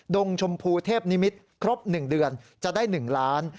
งชมพูเทพนิมิตรครบ๑เดือนจะได้๑ล้าน